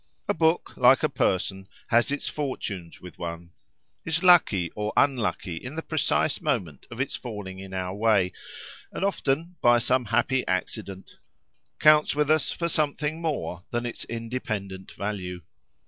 A book, like a person, has its fortunes with one; is lucky or unlucky in the precise moment of its falling in our way, and often by some happy accident counts with us for something more than its independent value.